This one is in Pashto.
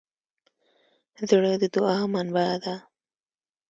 زړه د دوعا منبع ده.